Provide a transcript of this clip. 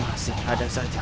masih ada saja